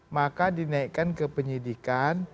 maka dinaikkan ke penyelidikan